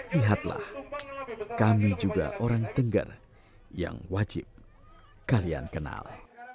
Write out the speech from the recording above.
lihatlah kami juga orang tengger yang wajib kalian kenal